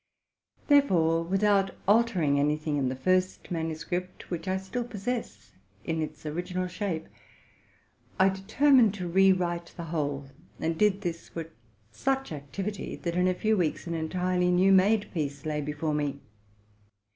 Therefore, without altering any thing in the first manu script, which I still actually possess in its original shape, I determined to re write the whole, and did this with such ac tivity, that in a few weeks an entirely new made piece lay before me.